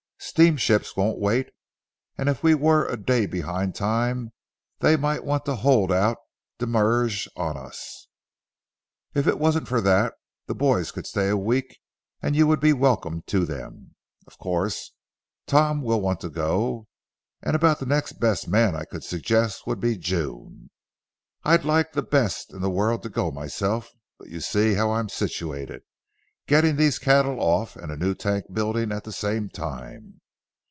Steamships won't wait, and if we were a day behind time, they might want to hold out demurrage on us. If it wasn't for that, the boys could stay a week and you would be welcome to them. Of course, Tom will want to go, and about the next best man I could suggest would be June. I'd like the best in the world to go myself, but you see how I'm situated, getting these cattle off and a new tank building at the same time.